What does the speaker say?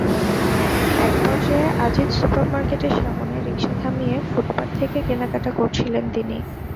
একপর্যায়ে আজিজ সুপার মার্কেটের সামনে রিকশা থামিয়ে ফুটপাত থেকে কেনাকাটা করছিলেন তিনি।